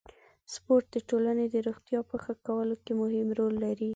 سپورت د ټولنې د روغتیا په ښه کولو کې مهم رول لري.